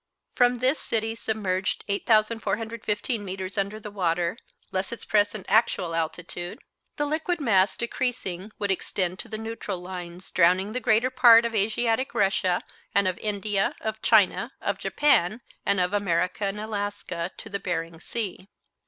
From this city submerged 8,415 metres under the water, less its present actual altitude, the liquid mass, decreasing, would extend to the neutral lines, drowning the greater part of Asiatic Russia and of India, of China, of Japan, and of American Alaska, to the Behring Sea.